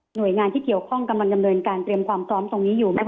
โดยงานที่เกี่ยวข้องกำลังดำเนินการเตรียมความพร้อมตรงนี้อยู่นะคะ